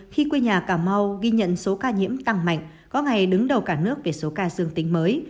khi quê nhà cà mau ghi nhận số ca nhiễm tăng mạnh có ngày đứng đầu cả nước về số ca dương tính mới